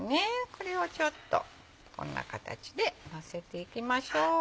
これをこんな形でのせていきましょう。